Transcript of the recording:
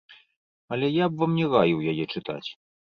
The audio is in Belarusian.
Але я б вам не раіў яе чытаць.